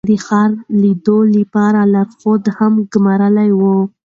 د ښار لیدو لپاره لارښود هم ګمارلی و.